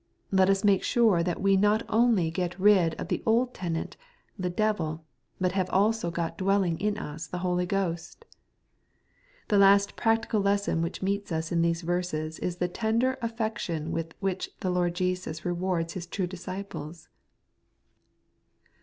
Let us make sure that we not only get rid of the old tenant, the devil, but have abo got dwelling in us the Holy Ghost. The last practical lesson which meets us in these verses is the tender affection with which the Lord Jesua regards His true disciples.